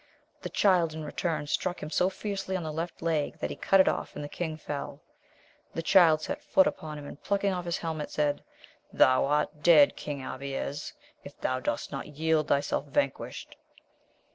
The Child, in return, struck him so fiercely on the left leg that he cut it off, and the king fell. The Child set foot upon him, and, plucking off his helmet, said. Thou art dead, King Abies, if thou dost not yield thyself vanquished